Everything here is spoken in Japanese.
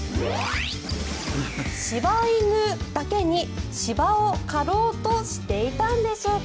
柴犬だけに芝を刈ろうとしていたんでしょうか？